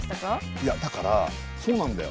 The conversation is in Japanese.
いやだからそうなんだよ。